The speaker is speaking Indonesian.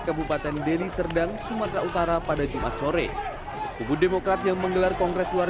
kabupaten deli serdang sumatera utara pada jumat sore kubu demokrat yang menggelar kongres luar